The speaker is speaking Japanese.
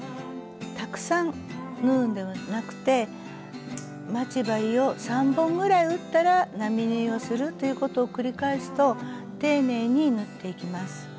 たくさん縫うんではなくて待ち針を３本ぐらい打ったら並縫いをするということを繰り返すと丁寧に縫っていきます。